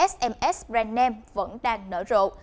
sms brand name vẫn đang nở rộ